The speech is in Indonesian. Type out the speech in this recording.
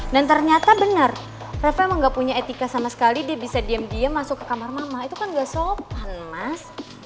dan ternyata benar reva emang gak punya etika sama sekali dia bisa diam diam masuk ke kamar mama itu kan gak sopan mas